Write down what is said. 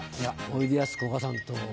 おいでやすこがさんと。